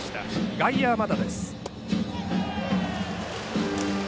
外野は、まだです。